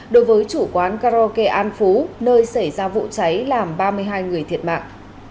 đối với chủ quán karaoke an phú nơi xảy ra vụ cháy làm ba mươi hai người thiệt mạng